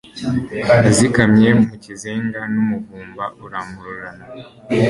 nazikamye mu kizenga, n'umuvumba urampururana